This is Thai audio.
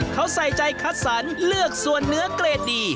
เขาใส่ใจคัดสรรเลือกส่วนเนื้อเกรดดี